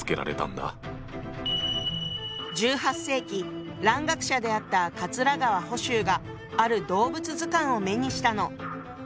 １８世紀蘭学者であった桂川甫周がある動物図鑑を目にしたの。